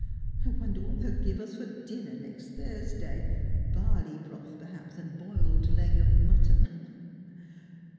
I wonder what they'll give us for dinner next Thursday. Barleybroth perhaps, and boiled leg of mutton."